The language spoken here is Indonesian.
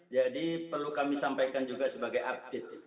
jadi perlu kami sampaikan juga sebagai update